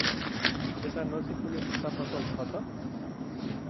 यता नजिक कुनै जुत्ता पसल छ त?